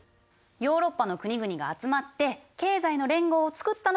ヨーロッパの国々が集まって経済の連合を作ったのがＥＵ。